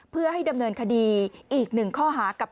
เพื่อให้ดำเนินคดีอีกหนึ่งข้อหากับ